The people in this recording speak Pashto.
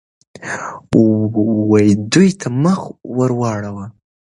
دوی ته مخ ورواړوه.